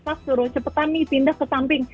pas suruh cepetan nih pindah ke samping